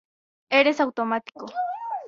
Era automático.